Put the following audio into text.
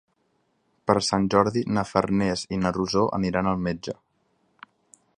Per Sant Jordi na Farners i na Rosó aniran al metge.